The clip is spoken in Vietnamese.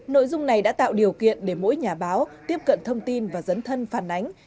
nội dung này đã tạo điều kiện để mỗi nhà báo tiếp cận thông tin và dấn thân phản ánh